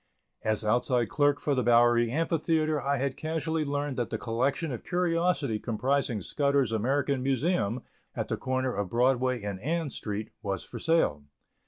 As outside clerk for the Bowery Amphitheatre I had casually learned that the collection of curiosities comprising Scudder's American Museum, at the corner of Broadway and Ann Street, was for sale.